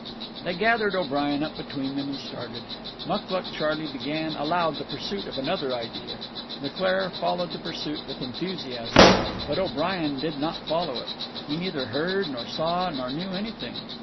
They gathered O'Brien up between them and started. Mucluc Charley began aloud the pursuit of another idea. Leclaire followed the pursuit with enthusiasm. But O'Brien did not follow it. He neither heard, nor saw, nor knew anything.